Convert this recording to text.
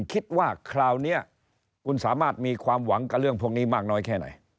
คิดว่าคราวนี้คุณสามารถมีความหวังกับเรื่องพวกนี้มากน้อยแค่ไหน